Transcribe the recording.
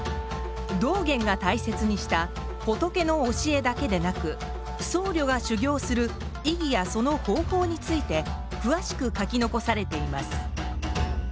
道元が大切にした仏の教えだけでなく僧侶が修行する意義やその方法について詳しく書き残されています